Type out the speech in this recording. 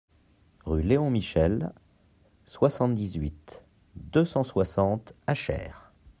Rue Léon Michel, soixante-dix-huit, deux cent soixante Achères